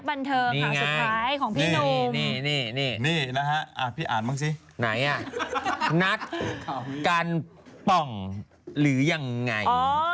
ปานเดิมน่ะพี่เราลองสิไหนยังนับกันปองหรือยังไง